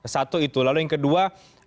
satu itu lalu yang kedua